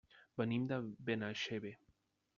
Venim de Benaixeve.